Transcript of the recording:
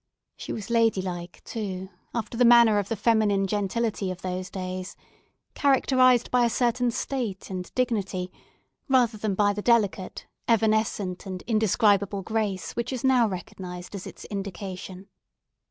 She was ladylike, too, after the manner of the feminine gentility of those days; characterised by a certain state and dignity, rather than by the delicate, evanescent, and indescribable grace which is now recognised as its indication.